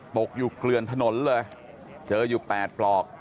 ตกอยู่เกลือนถนนเลยเจออยู่๘ปลอก